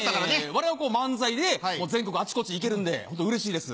我々は漫才で全国あちこち行けるんでホントうれしいです。